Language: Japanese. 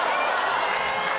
・え！